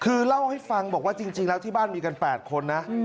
คือเล่าให้ฟังบอกว่าจริงแล้วที่บ้านมีกัน๘คนนะ